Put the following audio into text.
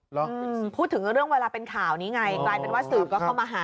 พูดถึงเรื่องเวลาเป็นข่าวนี้ไงกลายเป็นว่าสื่อก็เข้ามาหา